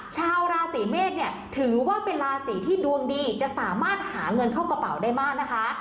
ชาวราศีเมษเนี่ยถือว่าเป็นราศีที่ดวงดีจะสามารถหาเงินเข้ากระเป๋าได้มากนะคะ